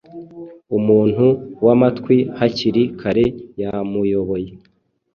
Umuntu wamatwi hakiri kare yamuyoboye